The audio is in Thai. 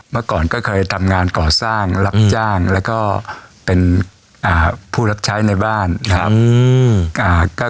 เมื่อก่อนก็เคยทำงานก่อสร้างรับจ้างแล้วก็เป็นผู้รับใช้ในบ้านนะครับ